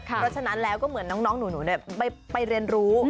เพราะฉะนั้นแล้วก็เหมือนน้องหนูไปเรียนรู้